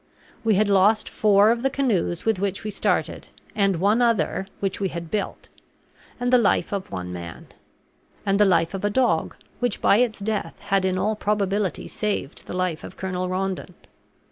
We had lost four of the canoes with which we started, and one other, which we had built, and the life of one man; and the life of a dog which by its death had in all probability saved the life of Colonel Rondon.